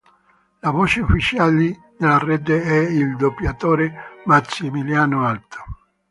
La voce ufficiale della rete è il doppiatore Massimiliano Alto.